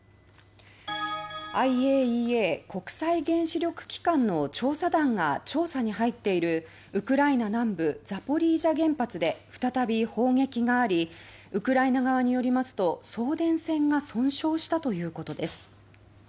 ＩＡＥＡ・国際原子力機関の調査団が調査に入っているウクライナ南部ザポリージャ原発で再び砲撃がありウクライナ側によりますと送電線が損傷したということです